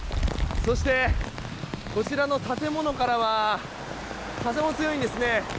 そして、こちらの建物からは風も強いですね